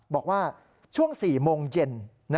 บอกว่าช่วง๔โมงเย็น